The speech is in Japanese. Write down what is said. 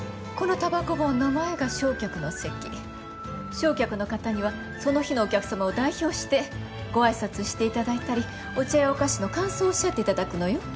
正客の方にはその日のお客さまを代表してご挨拶していただいたりお茶やお菓子の感想をおっしゃっていただくのよ。